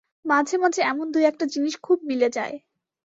মাঝে-মাঝে এমন দুই-একটা জিনিস খুব মিলে যায়।